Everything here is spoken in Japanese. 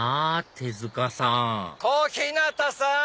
手塚さん小日向さん！